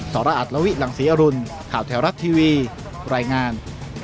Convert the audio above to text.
รอัตลวิหลังศรีอรุณข่าวแถวรัฐทีวีรายงาน